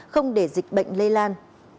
không để dịch bệnh lây lan